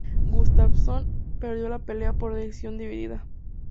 Gustafsson perdió la pelea por decisión dividida.